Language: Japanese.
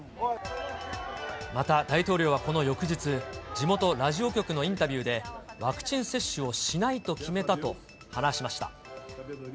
また、大統領はこの翌日、地元ラジオ局のインタビューで、ワクチン接種をしないと決めたと話しました。